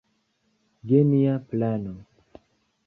Genia plano.